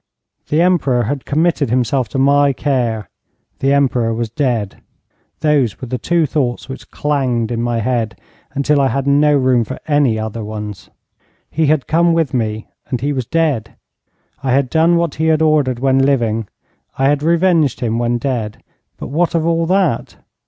The Emperor had committed himself to my care. The Emperor was dead. Those were the two thoughts which clanged in my head, until I had no room for any other ones. He had come with me and he was dead. I had done what he had ordered when living. I had revenged him when dead. But what of all that?